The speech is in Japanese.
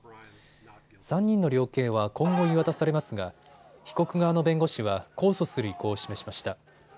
３人の量刑は今後言い渡されますが被告側の弁護士は控訴する意向を示しました。